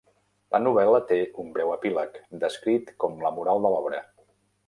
La novel·la té un breu epíleg, descrit com la moral de l'obra.